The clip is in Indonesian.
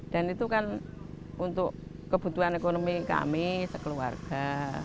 dan itu kan untuk kebutuhan ekonomi kami sekeluarga